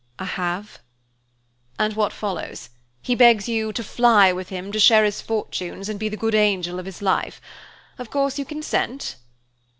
"I have." "And what follows? He begs you 'to fly with him, to share his fortunes, and be the good angel of his life.' Of course you consent?"